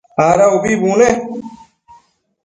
Ada ubi bune?